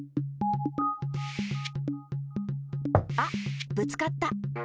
あっぶつかった。